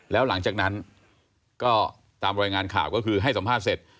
แล้วหลังจากนั้นก็ตามรายงานข่าวก็คือให้สัมภาษณ์เสร็จ